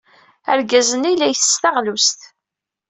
Argaz-nni la ittess taɣlust.